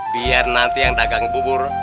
biar nanti yang dagang bubur